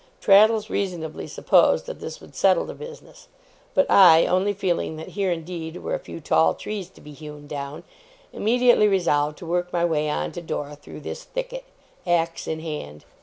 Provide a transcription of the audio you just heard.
Traddles reasonably supposed that this would settle the business; but I, only feeling that here indeed were a few tall trees to be hewn down, immediately resolved to work my way on to Dora through this thicket, axe in hand.